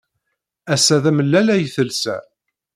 Ass-a, d amellal ay telsa.